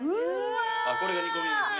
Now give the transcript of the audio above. これが煮込みですね？